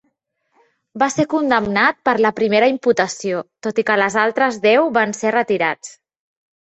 Va ser condemnat per la primera imputació, tot i que les altres deu van ser retirats.